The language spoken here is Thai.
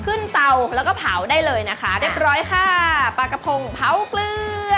เตาแล้วก็เผาได้เลยนะคะเรียบร้อยค่ะปลากระพงเผาเกลือ